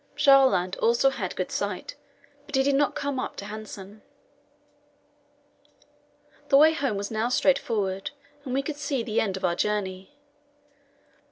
Bjaaland also had good sight, but he did not come up to Hanssen. The way home was now straightforward, and we could see the end of our journey.